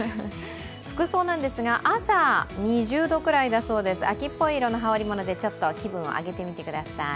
服装ですが、朝２０度ぐらいだそうです、秋っぽい色の羽織り物でちょっと気分を上げてみてください。